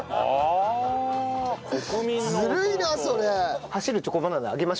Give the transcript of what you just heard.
ずるいなそれ。